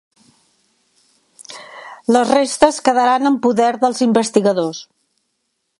Les restes quedaran en poder dels investigadors